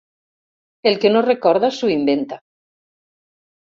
El que no recorda s'ho inventa.